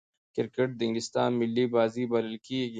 کرکټ د انګلستان ملي بازي بلل کیږي.